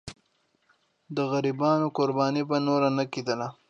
د غریبانو قرباني به نور نه کېدله.